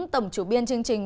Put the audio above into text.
tổng chủ biên chương trình